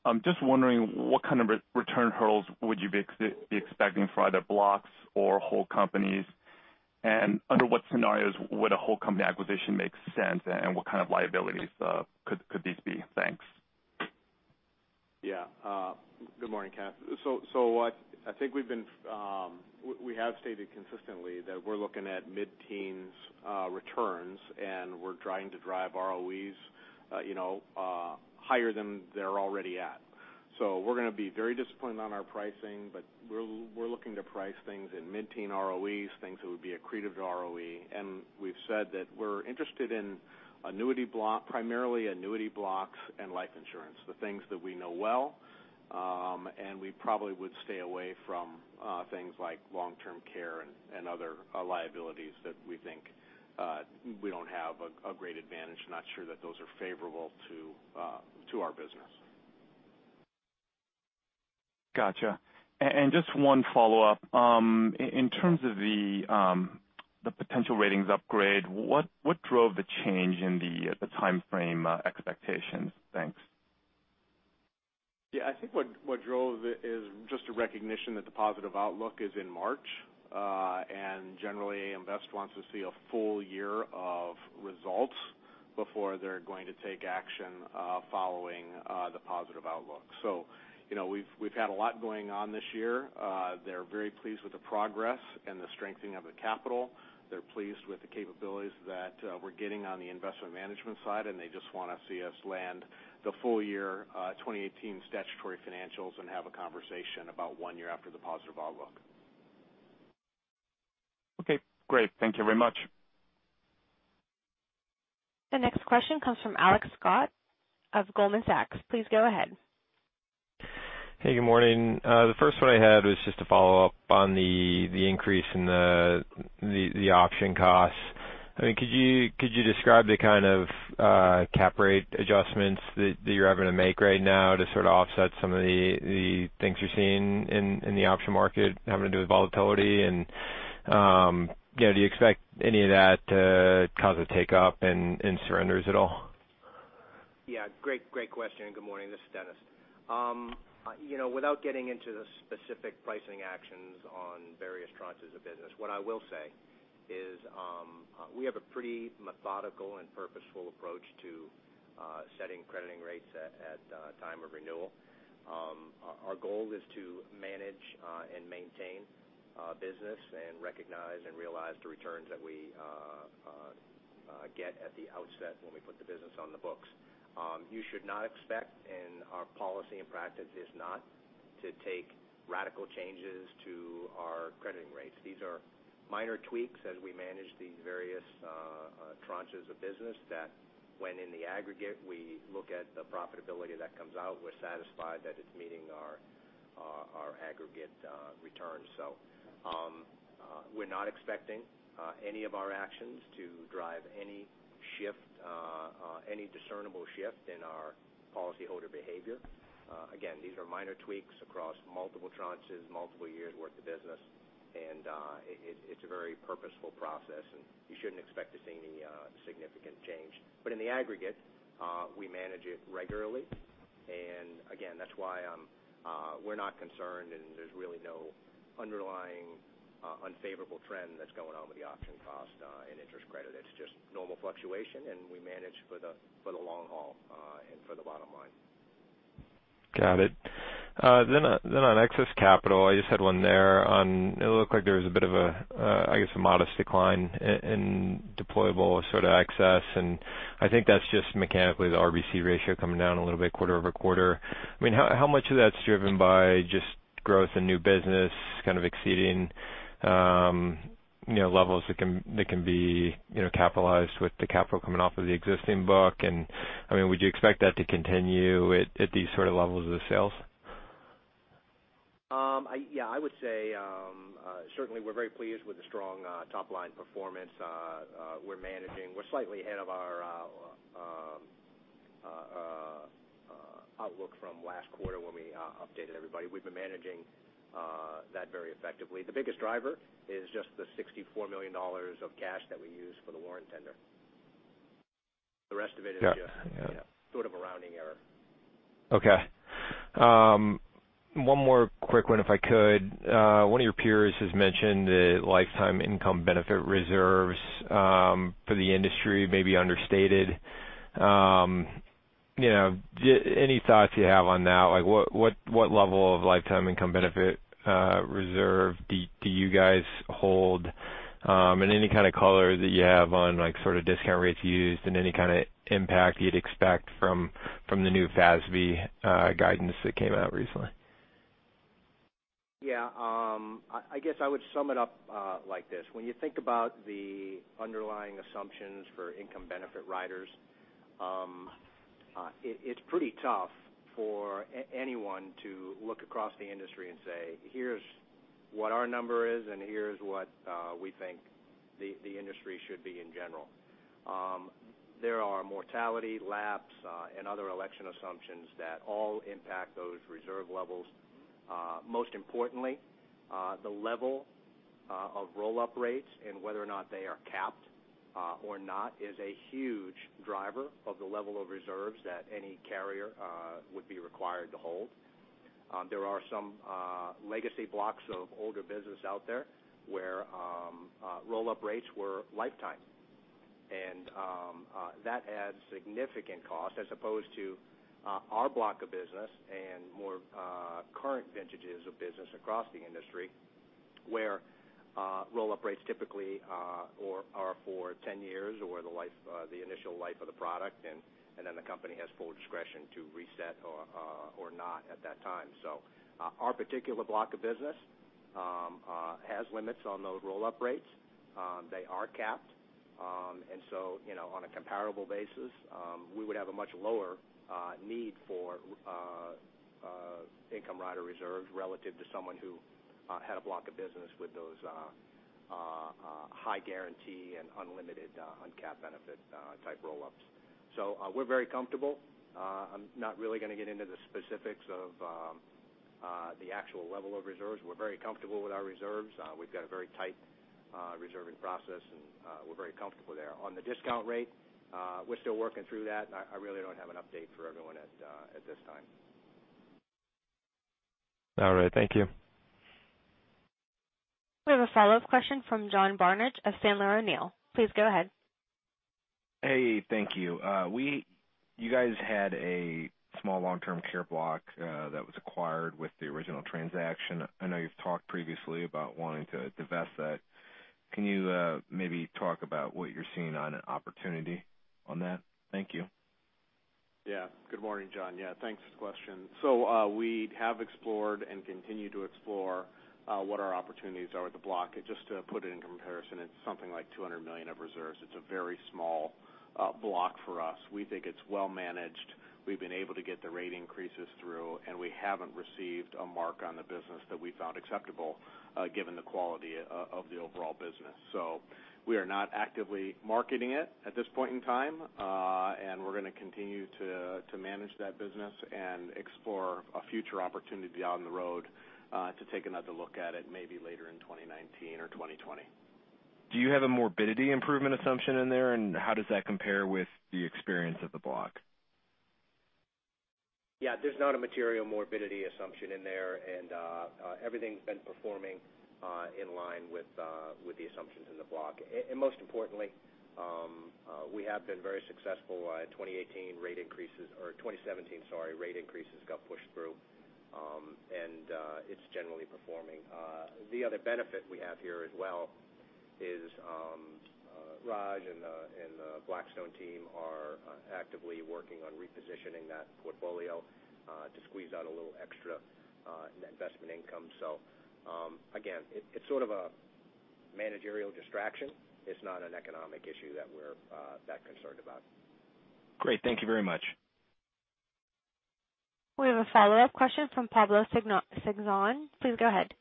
I'm just wondering what kind of return hurdles would you be expecting for either blocks or whole companies, and under what scenarios would a whole company acquisition make sense, and what kind of liabilities could these be? Thanks. Yeah. Good morning, Kenneth. I think we have stated consistently that we're looking at mid-teens returns, and we're trying to drive ROEs higher than they're already at. We're going to be very disciplined on our pricing, but we're looking to price things in mid-teen ROEs, things that would be accretive to ROE. We've said that we're interested in primarily annuity blocks and life insurance, the things that we know well. We probably would stay away from things like long-term care and other liabilities that we think we don't have a great advantage, not sure that those are favorable to our business. Gotcha. Just one follow-up. In terms of the potential ratings upgrade, what drove the change in the timeframe expectations? Thanks. Yeah, I think what drove it is just a recognition that the positive outlook is in March. Generally, AM Best wants to see a full year of results before they're going to take action following the positive outlook. We've had a lot going on this year. They're very pleased with the progress and the strengthening of the capital. They're pleased with the capabilities that we're getting on the investment management side, and they just want to see us land the full year 2018 statutory financials and have a conversation about one year after the positive outlook. Okay, great. Thank you very much. The next question comes from Alex Scott of Goldman Sachs. Please go ahead. Hey, good morning. The first one I had was just a follow-up on the increase in the option costs. Could you describe the kind of cap rate adjustments that you're having to make right now to sort of offset some of the things you're seeing in the option market having to do with volatility, and do you expect any of that to cause a take up in surrenders at all? Yeah. Great question. Good morning. This is Dennis. Without getting into the specific pricing actions on various tranches of business, what I will say is we have a pretty methodical and purposeful approach to setting crediting rates at time of renewal. Our goal is to manage and maintain business and recognize and realize the returns that we get at the outset when we put the business on the books. You should not expect, and our policy and practice is not to take radical changes to our crediting rates. These are minor tweaks as we manage the various tranches of business that when in the aggregate, we look at the profitability that comes out. We're satisfied that it's meeting our aggregate returns. We're not expecting any of our actions to drive any discernible shift in our policyholder behavior. Again, these are minor tweaks across multiple tranches, multiple years' worth of business, and it's a very purposeful process, and you shouldn't expect to see any significant change. In the aggregate, we manage it regularly. Again, that's why we're not concerned, and there's really no underlying unfavorable trend that's going on with the option cost in interest credit. It's just normal fluctuation, and we manage for the long haul and for the bottom line. Got it. On excess capital, I just had one there on, it looked like there was a bit of a modest decline in deployable sort of excess, and I think that's just mechanically the RBC ratio coming down a little bit quarter-over-quarter. How much of that's driven by just growth in new business kind of exceeding levels that can be capitalized with the capital coming off of the existing book? Would you expect that to continue at these sort of levels of the sales? I would say, certainly, we're very pleased with the strong top-line performance. We're slightly ahead of our outlook from last quarter when we updated everybody. We've been managing that very effectively. The biggest driver is just the $64 million of cash that we used for the warrant tender. The rest of it is just sort of a rounding error. Okay. One more quick one if I could. One of your peers has mentioned the lifetime income benefit reserves for the industry may be understated. Any thoughts you have on that? What level of lifetime income benefit reserve do you guys hold? Any kind of color that you have on sort of discount rates used and any kind of impact you'd expect from the new FASB guidance that came out recently? I guess I would sum it up like this. When you think about the underlying assumptions for income benefit riders, it's pretty tough for anyone to look across the industry and say, "Here's what our number is, and here's what we think the industry should be in general." There are mortality, lapse, and other election assumptions that all impact those reserve levels. Most importantly, the level of roll-up rates and whether or not they are capped or not is a huge driver of the level of reserves that any carrier would be required to hold. There are some legacy blocks of older business out there where roll-up rates were lifetime, and that adds significant cost as opposed to our block of business and more current vintages of business across the industry, where roll-up rates typically are for 10 years or the initial life of the product, and then the company has full discretion to reset or not at that time. Our particular block of business has limits on those roll-up rates. They are capped. On a comparable basis, we would have a much lower need for income rider reserves relative to someone who had a block of business with those high guarantee and unlimited uncapped benefit type roll-ups. We're very comfortable. I'm not really going to get into the specifics of the actual level of reserves. We're very comfortable with our reserves. We've got a very tight reserving process, and we're very comfortable there. On the discount rate, we're still working through that, and I really don't have an update for everyone at this time. All right. Thank you. We have a follow-up question from John Barnidge of Sandler O'Neill. Please go ahead. Hey, thank you. You guys had a small long-term care block that was acquired with the original transaction. I know you've talked previously about wanting to divest that. Can you maybe talk about what you're seeing on an opportunity on that? Thank you. Yeah. Good morning, John. Yeah, thanks for the question. We have explored and continue to explore what our opportunities are with the block. Just to put it in comparison, it's something like $200 million of reserves. It's a very small block for us. We think it's well managed. We've been able to get the rate increases through, and we haven't received a mark on the business that we found acceptable given the quality of the overall business. We are not actively marketing it at this point in time. We're going to continue to manage that business and explore a future opportunity down the road to take another look at it maybe later in 2019 or 2020. Do you have a morbidity improvement assumption in there, and how does that compare with the experience of the block? Yeah, there's not a material morbidity assumption in there, and everything's been performing in line with the assumptions in the block. Most importantly, we have been very successful. 2018 rate increases or 2017, sorry, rate increases got pushed through. It's generally performing. The other benefit we have here as well is, Raj and the Blackstone team are actively working on repositioning that portfolio, to squeeze out a little extra, in investment income. Again, it's sort of a managerial distraction. It's not an economic issue that we're that concerned about. Great. Thank you very much. We have a follow-up question from Pablo Singzon. Please go ahead.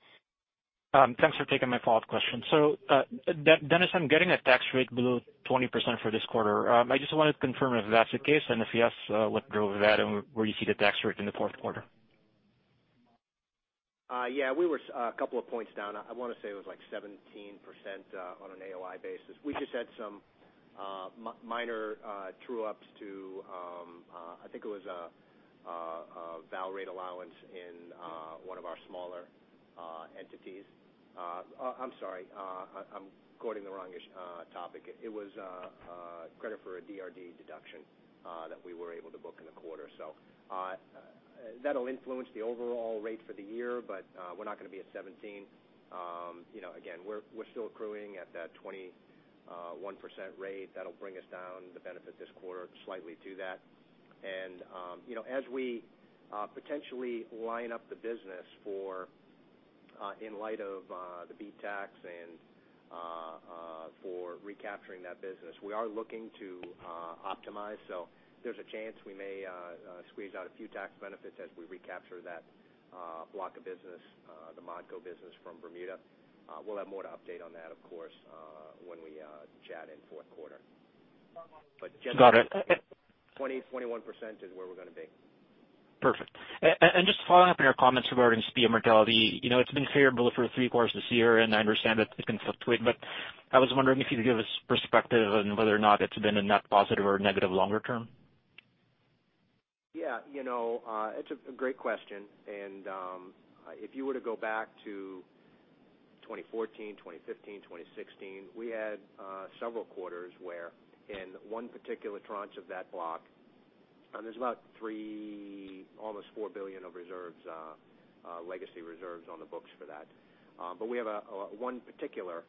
Thanks for taking my follow-up question. Dennis, I'm getting a tax rate below 20% for this quarter. I just wanted to confirm if that's the case, and if yes, what drove that and where you see the tax rate in the fourth quarter. We were a couple of points down. I want to say it was like 17% on an AOI basis. We just had some minor true-ups to, I think it was a val rate allowance in one of our smaller entities. I'm sorry. I'm quoting the wrong-ish topic. It was a credit for a DRD deduction that we were able to book in the quarter. That'll influence the overall rate for the year, but we're not going to be at 17%. Again, we're still accruing at that 21% rate. That'll bring us down the benefit this quarter slightly to that. As we potentially line up the business in light of the BEAT and for recapturing that business, we are looking to optimize. There's a chance we may squeeze out a few tax benefits as we recapture that block of business, the ModCo business from Bermuda. We'll have more to update on that, of course, when we chat in fourth quarter. Got it. 20%-21% is where we're going to be. Perfect. Just following up on your comments regarding SPIA mortality. It's been favorable for three quarters this year, and I understand that it can fluctuate, but I was wondering if you could give us perspective on whether or not it's been a net positive or negative longer term. Yeah. It's a great question. If you were to go back to 2014, 2015, 2016, we had several quarters where in one particular tranche of that block, there's about $3 billion, almost $4 billion of legacy reserves on the books for that. We have one particular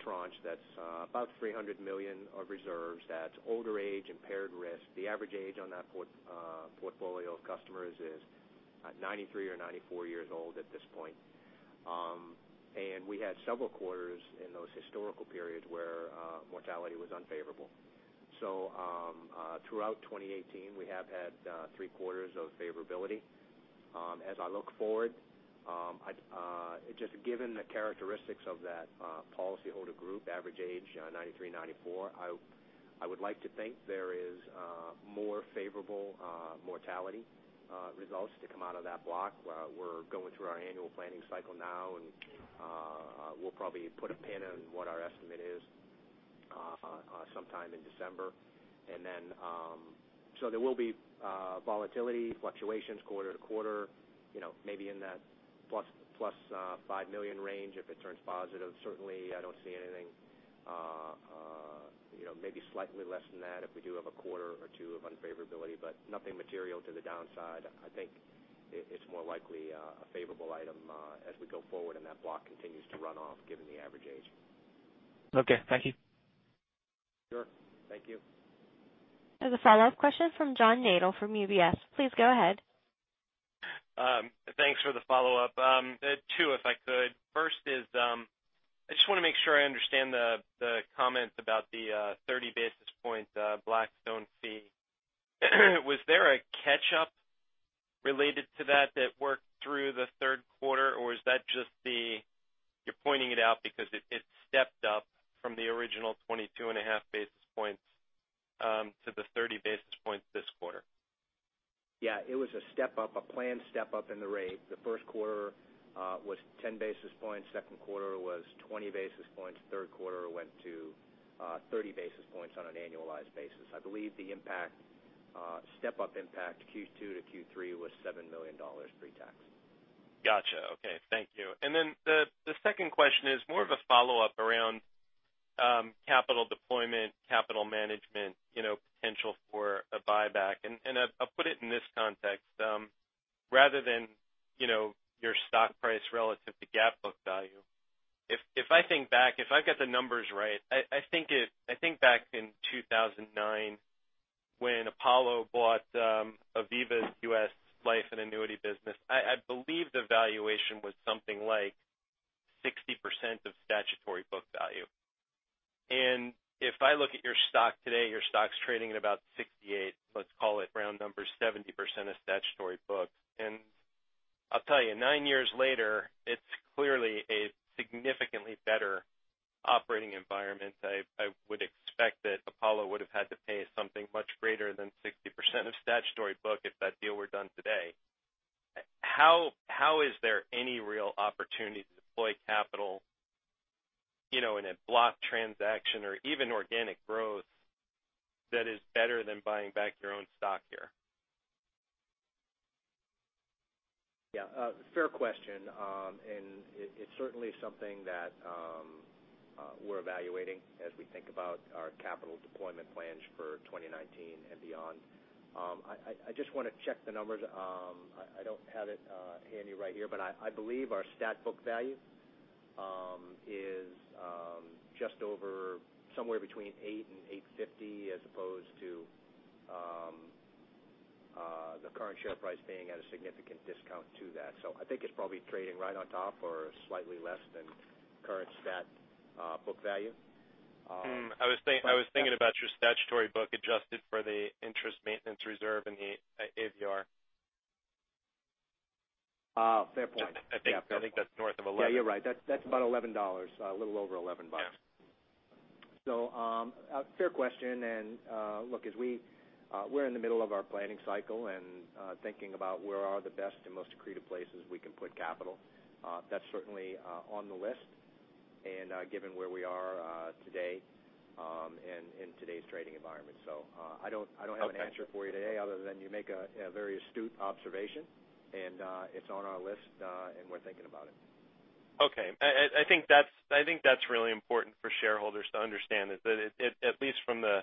tranche that's about $300 million of reserves that's older age, impaired risk. The average age on that portfolio of customers is 93 or 94 years old at this point. We had several quarters in those historical periods where mortality was unfavorable. Throughout 2018, we have had three quarters of favorability. As I look forward, just given the characteristics of that policyholder group, average age 93, 94, I would like to think there is more favorable mortality results to come out of that block. We're going through our annual planning cycle now, we'll probably put a pin on what our estimate is sometime in December. There will be volatility fluctuations quarter to quarter, maybe in that plus $5 million range, if it turns positive. Certainly, I don't see anything. Maybe slightly less than that if we do have a quarter or two of unfavorability, nothing material to the downside. I think it's more likely a favorable item as we go forward, that block continues to run off given the average age. Okay. Thank you. Sure. Thank you. There's a follow-up question from John Nadel from UBS. Please go ahead. Thanks for the follow-up. Two, if I could. First is, I just want to make sure I understand the comments about the 30 basis point Blackstone fee. Was there a catch-up related to that that worked through the third quarter, or is that just you're pointing it out because it stepped up from the original 22.5 basis points to the 30 basis points this quarter? Yeah. It was a step-up, a planned step-up in the rate. The first quarter was 10 basis points, second quarter was 20 basis points, third quarter went to 30 basis points on an annualized basis. I believe the step-up impact Q2 to Q3 was $7 million pre-tax. Got you. Okay. Thank you. The second question is more of a follow-up around capital deployment, capital management, potential for a buyback. I'll put it in this context. Rather than your stock price relative to GAAP book value. If I think back, if I've got the numbers right, I think back in 2009 when Apollo bought Aviva's U.S. Life and Annuity business, I believe the valuation was something like 60% of statutory book value. If I look at your stock today, your stock's trading at about 68, let's call it round number 70% of statutory book. I'll tell you, nine years later, it's clearly a significantly better operating environment. I would expect that Apollo would have had to pay something much greater than 60% of statutory book if that deal were done today. How is there any real opportunity to deploy capital in a block transaction or even organic growth that is better than buying back your own stock here? Yeah. Fair question. It's certainly something that we're evaluating as we think about our capital deployment plans for 2019 and beyond. I just want to check the numbers. I don't have it handy right here, but I believe our stat book value is just over somewhere between $8 and $850, as opposed to the current share price being at a significant discount to that. I think it's probably trading right on top or slightly less than current stat book value. I was thinking about your statutory book adjusted for the interest maintenance reserve and the AVR. Fair point. I think that's north of $11. Yeah, you're right. That's about $11. A little over 11 bucks. Yeah. Fair question, and look, as we're in the middle of our planning cycle and thinking about where are the best and most accretive places we can put capital. That's certainly on the list, and given where we are today, in today's trading environment. I don't have an answer for you today other than you make a very astute observation, and it's on our list, and we're thinking about it. Okay. I think that's really important for shareholders to understand is that at least from the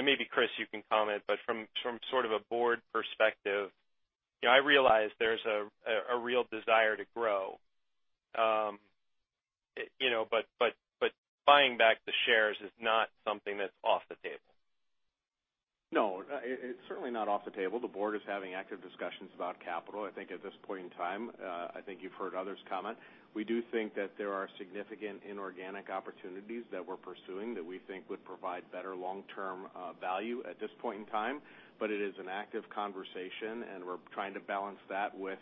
maybe, Chris, you can comment, but from sort of a board perspective, I realize there's a real desire to grow. Buying back the shares is not something that's off the table. No, it's certainly not off the table. The board is having active discussions about capital. I think at this point in time, I think you've heard others comment. We do think that there are significant inorganic opportunities that we're pursuing that we think would provide better long-term value at this point in time. It is an active conversation, and we're trying to balance that with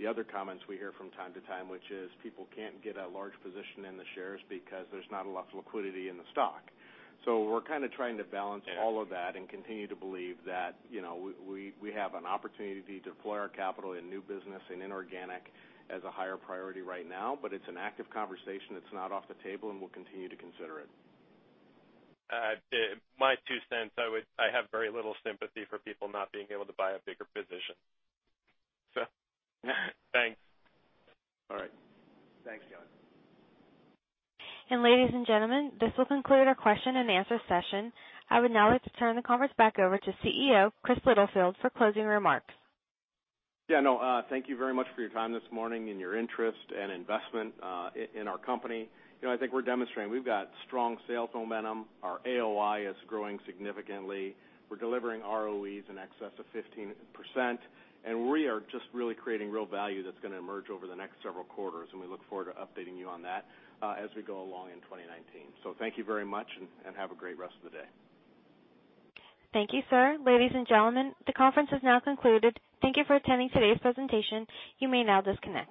the other comments we hear from time to time, which is people can't get a large position in the shares because there's not a lot of liquidity in the stock. We're kind of trying to balance all of that and continue to believe that we have an opportunity to deploy our capital in new business and inorganic as a higher priority right now. It's an active conversation. It's not off the table, and we'll continue to consider it. My two cents, I have very little sympathy for people not being able to buy a bigger position. Thanks. All right. Thanks, John. ladies and gentlemen, this will conclude our question and answer session. I would now like to turn the conference back over to CEO Chris Blunt for closing remarks. Thank you very much for your time this morning and your interest and investment in our company. I think we're demonstrating we've got strong sales momentum. Our AOI is growing significantly. We're delivering ROEs in excess of 15%, and we are just really creating real value that's going to emerge over the next several quarters, and we look forward to updating you on that as we go along in 2019. Thank you very much, and have a great rest of the day. Thank you, sir. Ladies and gentlemen, the conference has now concluded. Thank you for attending today's presentation. You may now disconnect.